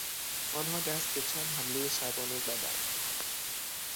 آنها دست به چند حملهی شبانه زدند.